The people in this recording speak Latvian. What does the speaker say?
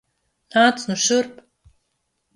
Nāc nu šurp!